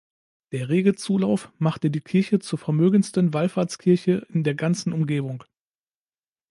Der rege Zulauf machte die Kirche zur vermögendsten Wallfahrtskirche in der ganzen Umgebung.